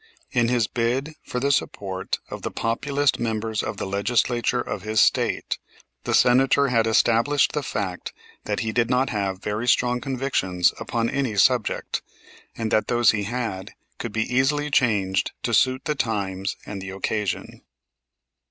In his bid for the support of the Populist members of the Legislature of his State the Senator had established the fact that he did not have very strong convictions upon any subject, and that those he had could be easily changed to suit the times and the occasion.